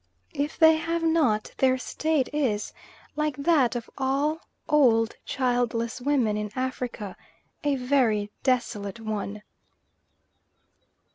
If they have not, their state is, like that of all old childless women in Africa, a very desolate one.